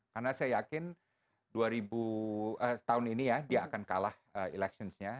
karena saya yakin tahun ini ya dia akan kalah electionnya